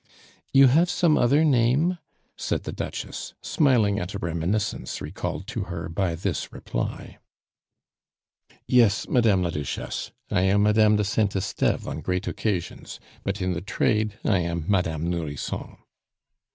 "You have some other name?" said the Duchess, smiling at a reminiscence recalled to her by this reply. "Yes, Madame la Duchesse, I am Madame de Saint Esteve on great occasions, but in the trade I am Madame Nourrisson."